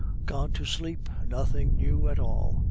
"Gone to sleep. Nothing new at all.